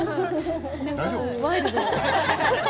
ワイルド。